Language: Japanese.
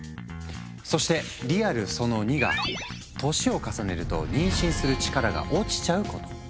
そしてリアルその２が年を重ねると妊娠する力が落ちちゃうこと。